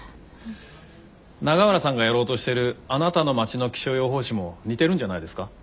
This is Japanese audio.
永浦さんがやろうとしてる「あなたの町の気象予報士」も似てるんじゃないですか？